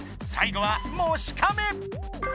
最後は「もしかめ」！